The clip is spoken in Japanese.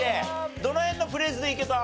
どの辺のフレーズでいけた？